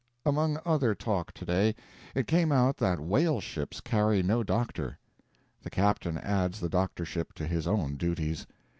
Among other talk to day, it came out that whale ships carry no doctor. The captain adds the doctorship to his own duties.